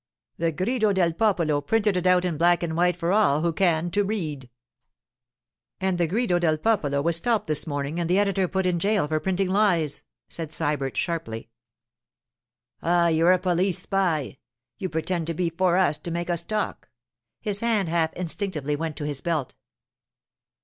The Grido del Popolo printed it out in black and white for all who can to read.' 'And the Grido del Popolo was stopped this morning and the editor put in jail for printing lies,' said Sybert sharply. 'Ah, you're a police spy! You pretend to be for us to make us talk.' His hand half instinctively went to his belt.